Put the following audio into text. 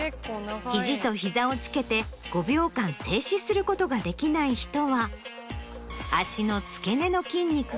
肘と膝をつけて５秒間静止することができない人は。